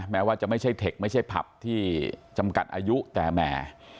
แม้ว่าจะไม่ใช่เทคไม่ใช่ผับที่จำกัดอายุแต่แหม